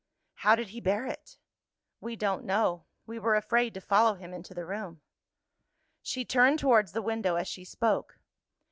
"How did he bear it?" "We don't know; we were afraid to follow him into the room." She turned towards the window as she spoke.